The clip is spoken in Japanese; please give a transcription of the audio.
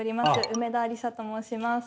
梅田リサと申します。